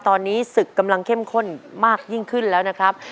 ตอนนี้ศึกกำลังเข้มข้นมากยิ่งขึ้นแล้วนะครับ